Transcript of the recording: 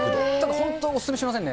本当、お勧めしませんね。